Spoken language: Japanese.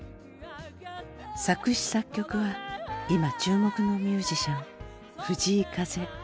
作詞作曲は今注目のミュージシャン藤井風。